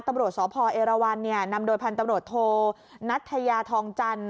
ตำรวจสอพอร์เอรวรนำโดยพันธุ์ตำรวจโทรณัตยทองจันทร์